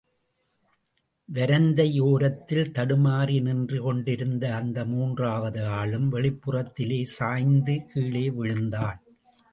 வரந்தை யோரத்திலே தடுமாறி நின்று கொண்டிருந்த அந்த மூன்றாவது ஆளும், வெளிப்புறத்திலே சாய்ந்து கீழே விழுந்தான்.